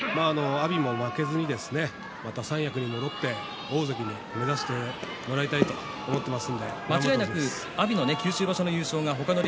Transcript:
阿炎も負けずにまた三役に戻って大関を目指してほしいと思っています。